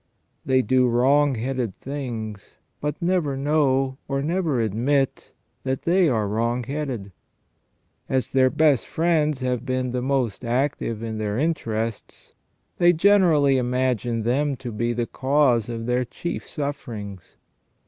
They do wrong headed things, but never know, or never admit, that they are wrong headed ; as their best friends have been the most active in their interests, they generally imagine them to be the cause of their chief suffer ings.